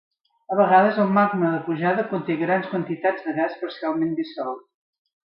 A vegades el magma de pujada conté grans quantitats de gas parcialment dissolt.